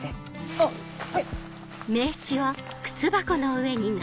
あっはい。